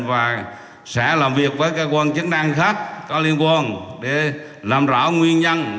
và sẽ làm việc với cơ quan chức năng khác có liên quan để làm rõ nguyên nhân